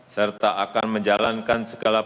serta akan menjalankan segala